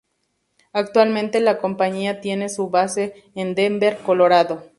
Actualmente la compañía tiene su base en Denver, Colorado.